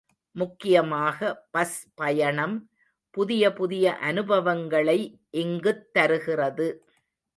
முக்கியமாக பஸ் பயணம் புதிய புதிய அனுபவங்களை இங்குத் தருகிறது.